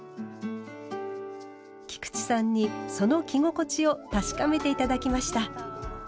菊池さんにその着心地を確かめて頂きました。